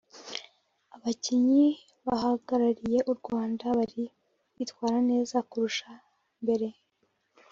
abakinnyi bahagarariye u Rwanda bari kwitwara neza kurusha mbere